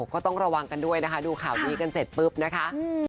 ก็ต้องระวังกันด้วยนะคะดูข่าวนี้กันเสร็จปุ๊บนะคะ